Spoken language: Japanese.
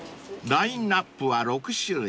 ［ラインアップは６種類。